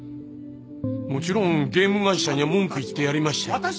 もちろんゲーム会社には文句言ってやりましたよ。